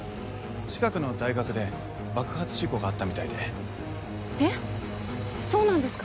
近くの大学で爆発事故があったみたいでえっそうなんですか？